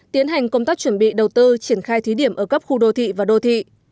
tiến hành công tác chuẩn bị đầu tư triển khai thí điểm ở các khu đô thị và đô thị